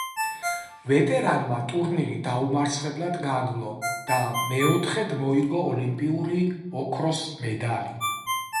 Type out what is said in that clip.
ვეტერანმა ტურნირი დაუმარცხებლად განვლო და მეოთხედ მოიგო ოლიმპიური ოქროს მედალი.